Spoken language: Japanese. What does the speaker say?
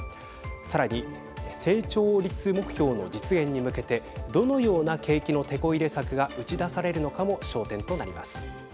さらに成長率目標の実現に向けてどのような景気のてこ入れ策が打ち出されるのかも焦点となります。